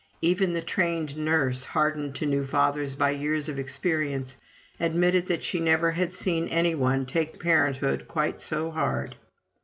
Even the trained nurse, hardened to new fathers by years of experience, admitted that she never had seen any one take parenthood quite so hard.